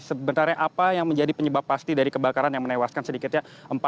sebenarnya apa yang menjadi penyebab pasti dari kebakaran yang menewaskan sedikitnya